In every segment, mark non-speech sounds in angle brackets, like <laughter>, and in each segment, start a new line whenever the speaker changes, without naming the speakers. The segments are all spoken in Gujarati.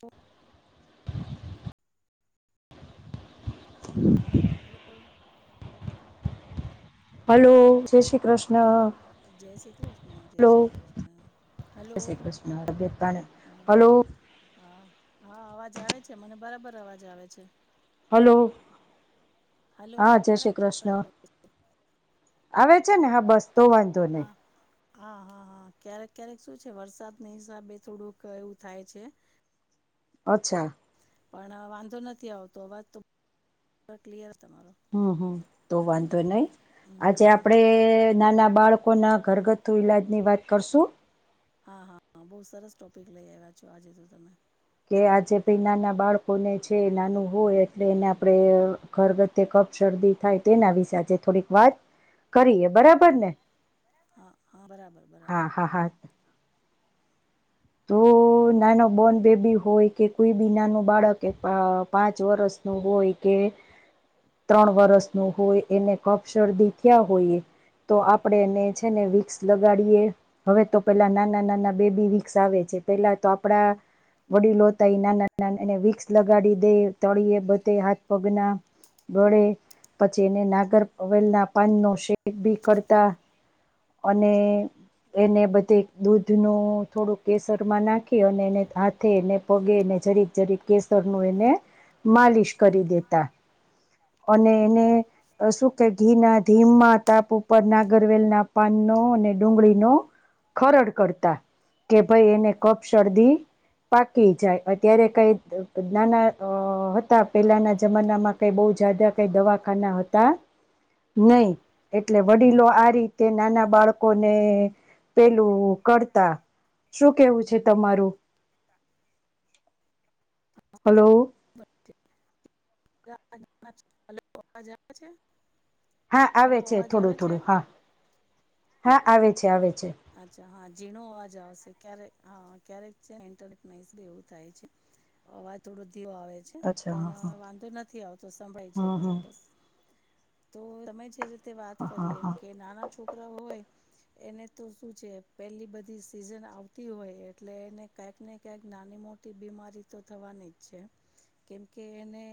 તો <inaudible>
હમ <inaudible>
હલો.
હલો જય શ્રી કૃષ્ણ.
જય શ્રી કૃષ્ણ જય
હલો
શ્રી કૃષ્ણ <inaudible>
જય શ્રી કૃષ્ણ તબિયત પાણી
હમ
હલો.
હા હા અવાજ આવે છે મને બરાબર અવાજ આવે છે.
હલો.
હલો
હા જય શ્રી
હા
કૃષ્ણ આવે. છે ને હા બસ તો વાંધો નહી.
હા હા હા. હ ક્યારેક ક્યારેક શું છે વરસાદ ના હિસાબે થોડુંક એવું થાય છે.
અચ્છા.
પણ વાંધો નથી આવતો હવા તો ક્લયર.
હમ હમ તો વાંધો નહી
હમ હમ
આજે
હમ
આપડે નાના બાળકો કો ના ઘરગથ્થુ ઈલાજની વાત કરશું.
હા, હા બઉ સરસ ટોપિક લઈ આઈવા છો, આજે તો તમે.
કે આજે ભઈ નાના બાળકોને છે નાનું હોય એટલે એને આપડે ઘરગ્થ્થું શરદી થાય, તેના વિશે આજે થોડીક વાત કરીએ બરાબરને?
હા હા બરાબર બરાબર
હા, હા, હા. તો તો નાના બોર્ન બેબી હોય કે કોઈ બી નાનું બાળક પા-પાંચ વર્ષનું હોય કે <unintelligible> ત્રણ વર્ષનું હોય એને કફ શરદી થયા હોય તો આપડે એને છે ને, વિકસ લગાડીએ હવે તો પેલા નાના-નાના બેબી વિક કસાવે છે. પેલા તો આપડા વડીલોતય નાના નાના એને વિકસ લગાડી દે, તળીએ બધે હાથ-પગના ગળે, પછી એને નાગરવેલના પાનનો શેક ભી કરતા. અને એને બધે દૂધનું થોડુંક કેસરમાં નાખી અને એને હાથેને, પગેને જરીક જરીક કેસરનું એને માલિશ કરી દેતા. અને એને શું કે, ઘી ના ધીમાં તાપ ઉપર નાગરવેલના પાન નો અને ડુંગળીનો ખરડ કરતા કે, ભઈ એને કફ-શરદી પાકી જાય. અત્યારે કઈ દ નાના અ હતા પેલાના જમાનામાં કઈ બઉ જાજા કઈ દવાખાના હતા નઈ એટલે વડીલો આ રીતે નાના બાળકોને પેલું કરતા શું કેવું છે, તમારું હલો
<unintelligible>
હા, આવે
હલો
છે
અવાજ
થોડું,
આવે છે
થોડું, હા, હા આવે છે, આવે છે
અચ્છા, હા, ઝીણો અવાજ આવેશે તારો હા, ક્યારેક છે ને એમ તેમ મોસ્ટલી એવું થાય છે અવાજ <inaudible> ઘીરો આવે છે,
અચ્છા
પણ
હા હા
વાંધો નથી આવતો સંભળાય છે
હમ હમ
બરાબર તો તમે જે રીતે વાત
હા હા
કરી એમ
હા
કે નાના છોકરા હોય એને તો શું છે પેલી બધી સીઝન આવતી હોય, એટલે એને કાંઈક ને કાંઈક નાની મોટી બિમ રી તો થવાની જ છે કેમકે એને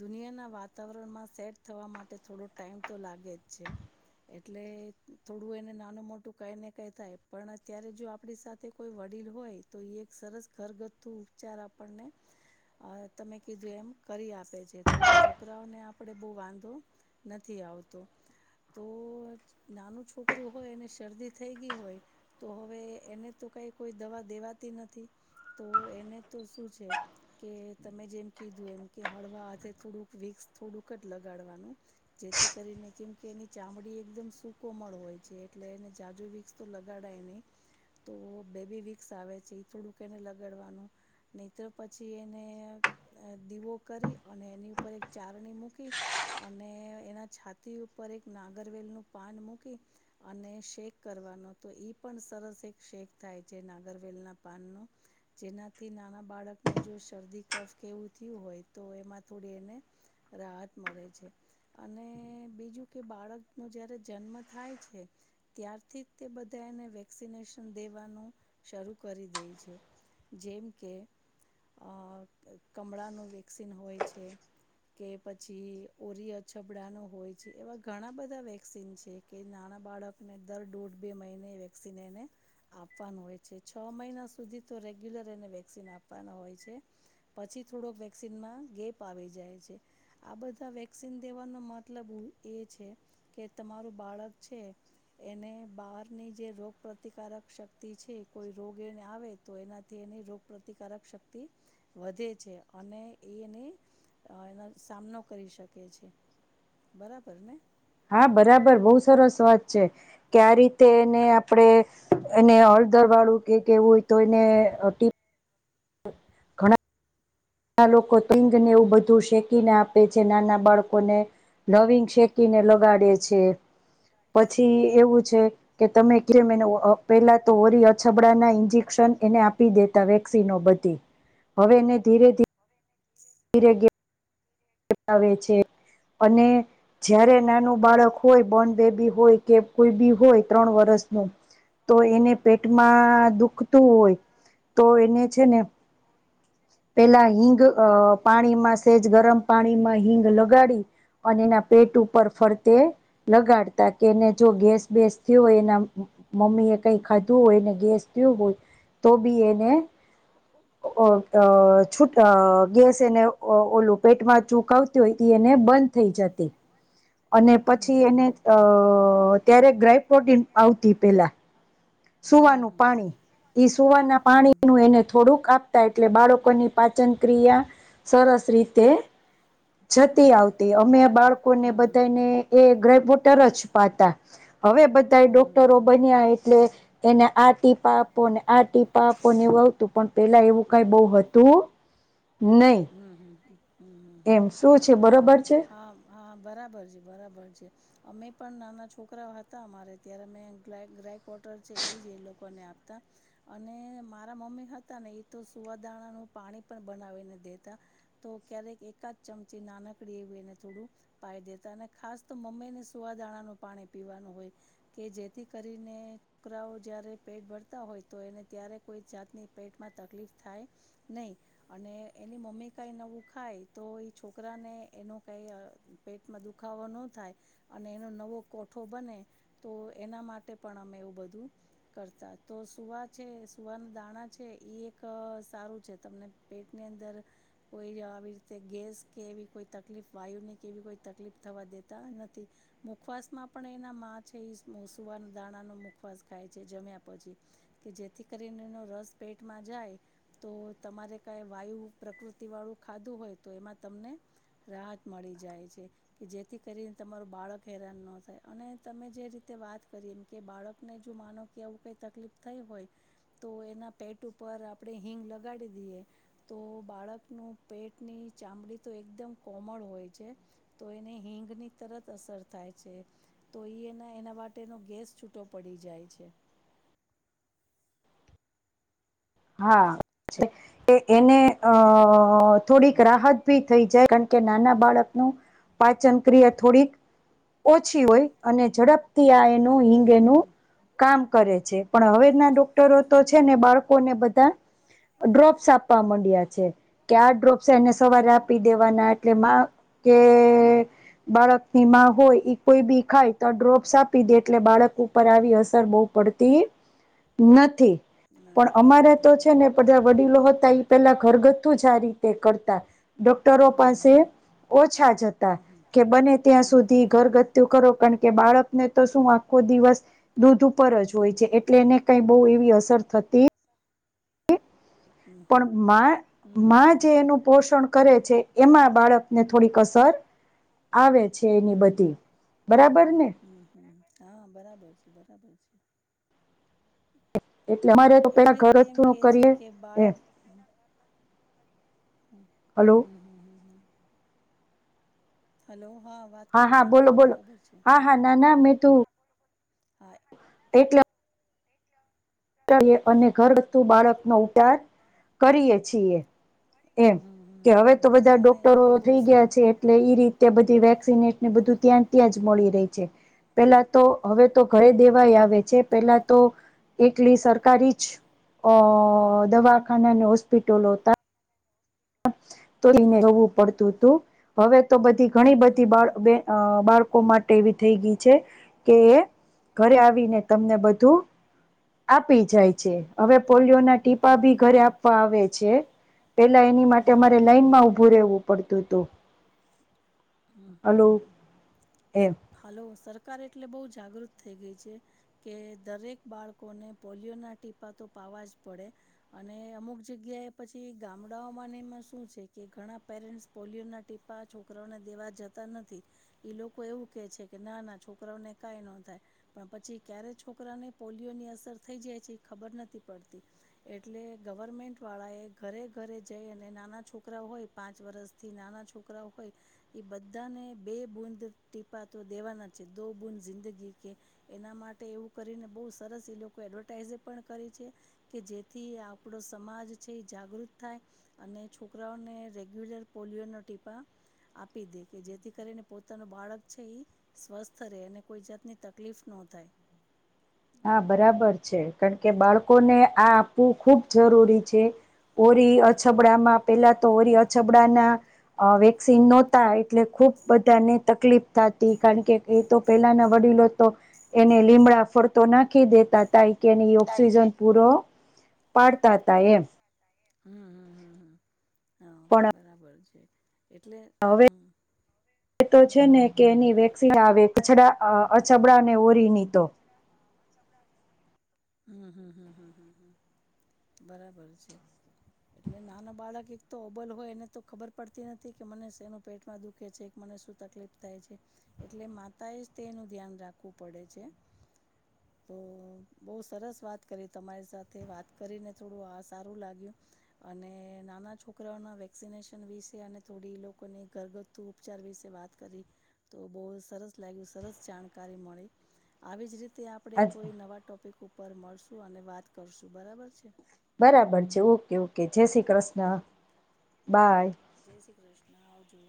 દુનિયાના વાતાવરણમાં સેટ થવા માટે થોડો ટાઈમ તો લાગે જ છે. એટલે થોડું એને નાનો મોટ મોટું કાંઈ ને કાંઈ થાય, પણ અત્યારે જો આપણી સાથે કોઈ વડીલ હોય તો ઈ એક સરસ ઘરગથ્થુ ઉપચાર આપણને અહ તમે કીધું એમ કરી આપે છે. તો છોકરાઓને આપડે બહુ વાંધો નથી. આવતો. તો નાનું છોકરું હોય એને શરદી થઈ ગઈ હોય તો હવે એને તો કઈ કોઈ દવા દેવાતી નથી. તો એને તો શું છે કે તમે જેમ કીધું એમ કે હળવા હાથે થોડુંક વિક્સ થોડુંક જ લગાડવાનું. જે જેથી કરીને કેમ કે એની ચામડી એકદમ સૂકો મળ હોય છે, એટ લે એને જાજુ વિકસ તો લગાડાય નહી. તો બેબી વીકસ આવે છે એ થોડુંક એને લગાડવાનું નહી તો પછી એને અહ દીવો કરી અને એની ઉપર એક ચારણી મૂકી અને એના છાતી ઉ પર એક નાગરવેલ નું પાન મૂકી અને શેક કરવાનો તો ઈ પણ સરસ એક શેક થાય છે નાગરવેલ ના પાન નું. જેનાથી નાના બાળકને જો શરદી, કફ કેવું થયું હોય તો એમાં થોડી એને રાહત મળે છે અને બીજું કે બાળક નું જયારે જન્મ થાય છે ત્યારથી બધાને વેક્સનેશન દેવાનું શરૂ કરી દે છે. જેમ કે અહ કમળાનું વેક્સિન હોય છે કે પછી ઓરઈછબડા ન હોય છે એવા ઘણા બધા વેક્સન છે કે નાના બાળકને દર દોઢ બે મહિને વેક્ન એને આપવાનું હોય છે. છ મહિના સુધી તો રેગ્યુલર એને વેક્સિન આપવાના હોય છે, પછી થોડોક વેક્સનમાં ગેપ આવી જાય છે. આ બધા વેક્સન દેવાનો મતલબ એ છે કે તમારું બાળક છે. એને બહારની જે રોગ પ્રતિકારક શક્તિ છે કોઈ રોગ એને આવે તો એનાથી એને રોગ પ્રતિકારક શક્તિ વધે છે. અને એ એને અહ એના સામ નો કરી શકે છે. બરાબર ને?
હા, બરાબર બહુ સરસ વાત છે કે આ રીતે એને આપડે એને અહ દર વાળું કે કેવું હોય તો એને ટીપ ઘણા ના લોકો તિંગને એવું બધું શેકીને આપે છે નાના બાળકોને લવીન શેકીને લગાડે છે. પછી એવું છે કે તમે કેમ એને પેલા તો ઓરી, અછબડાના ઇન્જેક્શન એને આપી દેતા વેક્સિનો બધી, હવે એને ધીરે ધીરે <unintelligible> આવે છે, અને જયારે નાનું બાળક હોય બોર્ન બેબી હોય કે કોઈ ભી હોય ત્રણ વર્ષનું તો એને પેટમાં દુખતું હોય તો એને છે ને પેલા હિંગ અ પાણીમાં સેજ ગરમ પાણીમાં હિંગ લગાડી અને એના પેટ ઉપર ફરતે લગાડતા કે એને જો ગેસ બેેસ થયો હોય એના મમ્મી એ કઈ ખાધું હોયને ગેસ થયું હોય. તો બી એને અ છુટ અ ગેસ એને અ ઓલું પેટમાં ચૂક આવતી હોય તી એને બંધ થઈ જાતી. અને
હમ હમ
પછી એને
હમ.
અ ત્યારે ગ્રાય પ્રોટીન આવતી પેલા.
હમ
સુવાનું
હમ હમ
પાણી.
હમ.
ઈ સુવાના પાણીનું એને થોડુંક આપતા એટલે બાળકોની પાચન ક્રિયા સર સ રીતે જતી આવતી. અમે
હમ.
બાળકોને
હમ. હમ
બધાને એ ગબોટર જ પાતા. હવે બધાય ડોક્ટરો બન્યા, એટલે એને આ ટીપા આપો ને, આ ટીપા આપો ને, એવુ આવતું, પણ પેલા એવું કઈ બઉ હતું? નહી
હમ, હમ, હમ, હમ, હન,
એમ શું છે બરોબર છે
હા, હા બરાબર છે. બરાબર છે. અમે પણ નાના છોકરાઓ તા અમારે ત્યાર મે ગ્લાયક રાયક વોટર છે, ઈ જ એ લોકોને આપતા. અને મારા મોમ ને હતા નઈ તો સુવાદાણાનું પાણી પણ બનાવીને દેતા. તો ક્યારેક એકાદ ચમચી એ નાનકડી એવુ એને થોડું પાય દેતા, અને ખાસ તો મમ્મીને સુવાદાણાનું પાણી પીવાનું હોય. કે જેથી કરીને, કરાઓ જયારે પેટ ભરતા હોય તો એને ત્યારે કોઈ જાતની પેટમાં તકલીફ થાય નઈ. અને એની મમ્મી કાઈ નવું ખાય તો એ છોકરા અને એનો કઈ અ પેટમાં દુખાવો ન થાય અને એનો નવો કોઠો બને તો એના માટે પણ અમે એવું બધું કરતા. તો સુવા છે. સુવાન દાણા છે. એ એક સારું છે. તમને પેટની અંદર કોઈ આવી રીતે ગેસ કે એવી કોઈ તકલીફ વાયુની કે એવી કોઈ તકલીફ થવા દેતા નથી. મુખવાસમાં પણ એના મા છે ઈ સ્મુ સુવાન દાણાનો મુખવાસ ખાય છે જમ્યા પછી. કે જેથી કરીન એનો રસ પે પેટમાં જાય. તો તમારે કાઈ વાયુ પ્રકૃતિ વાળું ખાધું હોય તો એમાં તમને રાહત મળી જાય છે. કે જેથી કરીન તમારું બાળક હેરાન ન થાય અને તમે જે રીતે વાત કરી એમ કે બાળકને જો માનો કે આવું કઈ તકલીફ થઈ હોય, તો એન ના પેટ ઉપર આપડે હિંગ લગાડી દીએ, તો બાળકનું પેટની ચામડી તો એકદમ કોમળ હોય છે, તો એને હિંગની તરત અસર થાય છે. તો ઈ એના એના માટેનો ગેસ છૂટો પડી જાય છે.
હા,
હ
છે. એ એને અ થોડીક રાહત ભી થઈ જાય કારણ કે નાના બાળકનું પાચન ક્રિયા થોડીક ઓછી હોય અને ઝડપથી આ એનું ગે હિંગ એનું
હમ. હમ.
કામ કરે છે પણ હવે ના ડોક્ટરો તો છે ને બાળ કો ને બધા ડ્રોપ્સ આપવા માંડ્યા છે કે આ ડ્રોપ સેને સવારે આપી દેવાના એટલે માં કે બાળક ની માં હોય એ કોઈ બી ખાય તો ડ્રોપ્સ આપી દે એટલે બાળક ઉપર આવી અસર બહુ પડતી નથી.
નથી હમ
અમારા તો
હમ હમ.
છે ને બધા વડીલો હતા એ પેલા ઘરગથ્થુ જ આ રીતે કર ડોક્ટરો પાસે ઓછા જ હતા કે બને ત્યાં
ઓછા
સુધી ઘરગથ્થું કરો પણ કે બાળકને તો શું આખો દિવસ દૂધ ઉપર જ હોય છે એટલે એને કઈ બહુ એવી અસર થતી
દૂધ ઉપર જ હોય છે એટલે એને કાંઈ બહુ એવી
પણ માં
હમ હમ
માં જે એનું
હમ હમ હમ
પોષણ કરે છે એમાં બાળકને થોડીક અસર આવે છે
હમ.
એની બધી,
હમ
બરાબર ને?
હમ હમ હા, બરાબર છે બરાબર છે.
એટલે અમારે તો પેલા
એટલે
ઘર જ
તેમ
થું
કે છે
કરીએ
કે
એ
બાળક
હલો
<inaudible> હલો! વાત
હા
કરો
હા
વાંધો
બોલો
નહી
બોલો
બરાબર છે
હા હા ના ના મેં તું
હા
એટલે અને ઘરવ્થું બાળકનો ઉતાર કરીએ છીએ. એમ.
હમ હમ
કે
હમ
હવે
હમ
તો બધા
ના
ડોક્ટરો
ના એ બહુ
થઈ ગયા છે એટલે ઈ રીતે બધી વેક્સિનેને
હમ
બધું ત્યાં ત્યાં જ મળી રહી. પેલા તો હવે તો ઘરે દેવાય આવે છે પેલા તો એકલી સરકારી જ અ દવાખાના અને હોસ્પિટલો હતા. તો
હમ હમ
એને જવું પડતું હતું હવે તો બધી ઘણી બધી બાળ બે બાળ કો માટે એવી થઈ ગઈ છે કે એ ઘરે આવીને તમને બધું આપી જાય છે. હવે પોલિયોના ટીપા બી
હમ
ઘરે આપવા આવે છે. પેલા એની
હમ હમ હમ હમ
માટે
હમ હમ
અમારે લાઈન માં ઊભું રહેવું પડતું તું.
હમ્મ, હમ્મ, હમ્મ.
એમ
હાલો સર કાર એટલે બહ જાગૃત થઈ ગઈ છે કે દરેક બાળકોને પોલિયો ના ટીપા તો પા અવાજ પડે અને અમુક જગ્યાએ પછી ગામડાઓમાં શું છે કે ઘણા પેર મેન્સ પોલયો ના ટીપા છોકરાને દેવા જતા નથી લોકો એવું કે છે કે ના ના છોકરાઓને કઈ ન થાય પણ પછી ક્યારે છોકરાને પોલિયોની અસર થઈ જાય છે એ ખબર નથી પડતી એટલે ગવર્મેન્ટ વાળા એ ઘરે ઘરે જઈ અને નાના છોકરા હોય પાંચ વરષથી નાના છોકરા હોય એ બધાને બે બૂદ ટીપા તો દેવાના છે દો બૂદ જિંદગી કે એના માટે એવું કરીને બ સરસ એ લોકો એડવર્ટાઈઝ પણ કરી છે કે જેથી આપો સમાજ જગૃત થાય અને છોકરાઓને રેગ્યુલર પોલયો ટીપા આપી દે કે જેથી કરીને પોતાનું બાળક છે એ સ્વસ્થ રહે અને કોઈ જાતની તકલીફ ન થાય.
<inaudible> હા બરાબર છે કારણ કે બાળકોને આ આપવું ખુબ જરૂરી છે. ઓરી અછબડામાં પેલા તો ઓરી અછબડાના વેક્સિન નહોતા એટલે ખુબ બધાને તકલીફ થતી કારણકે એ તો પેલાના વડી ડીલો તો એને લીમડા ફરતા તો નાખી દેતા તાય કે નહી ઓક્સિજન પૂરો પાડતા હતા એમ.
હમ હમ હમ હમ હા
પણ
બરાબર છે. એટલે
હવે
હમ
એ તો છે ને કે એની વેક્સન આવે અ અછબડાને ઓરી તો
હમ હમ હમ હમ હમ હ બરાબર છે. એટલે નાના બાળક એક તો ઓબલ હોય એને તો ખબર પડતી નથી કે મને સેનું પેટમાં દુખે છે. શું તકલીફ થાય છે એટલે માતા એ તેનું ધ્યાન રાખવું પડે છે.
<inaudible>
તો બઉ સરસ વાત કરી તમારી સાથે વાત કરીને થોડું આ સારું લાગ્યું અને નાના છોકરાઓના વેક્સિનેશન વિશે અને થોડી લોકોની ઘરગથ્થુ ઉપચાર વિશે વાત કરી. તો બહ સરસ લાગ્યું સરસ જાણકારી મળી આવીજ રીતે આપડે કોઈ નવા ટોપિક ઉપર મળશું અને વાત કરશું બરાબર છે.
બરાબર છે ઓકે ઓકે જય શ્રી કૃષ્ણ બાય.
જય શ્રી કૃષ્ણ આવજો.